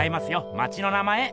町の名前！